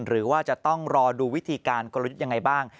หรือว่าจะต้องรอดูวิธีการกลยุทธ์ยังไงบ้าง